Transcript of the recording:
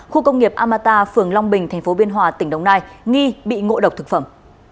khu công nghiệp amata phường long bình tp biên hòa tỉnh đồng nai nghi bị ngộ độc thực phẩm